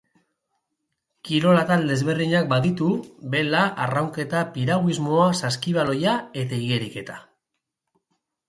Kirol atal desberdinak baditu, bela, arraunketa, piraguismoa, saskibaloia eta igeriketa.